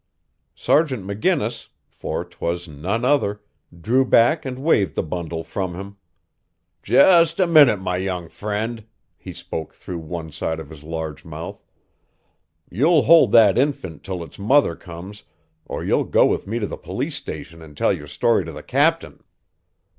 Sergeant McGinnis for 'twas none other drew back and waved the bundle from him. "Just a minute, my young friend," he spoke through one side of his large mouth. "You'll hold that infant till its mother comes or you'll go with me to the police station and tell your story to the captain."